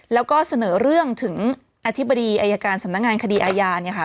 แล้วก็เสนอเรื่องถึงอธิบดีอายการสำนักงานคดีอาญาเนี่ยค่ะ